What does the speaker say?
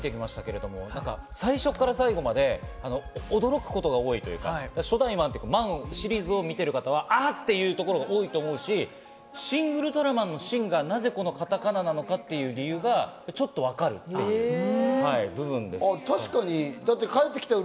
見てきましたけど、最初から最後まで驚くことが多いというか、初代・マンシリーズを見ている方はあ！ということが多いと思うし、『シン・ウルトラマン』の「シン」がなぜこのカタカナなのかという理由がちょっとわかるという部分です。